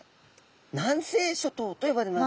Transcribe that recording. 南西諸島と呼ばれます。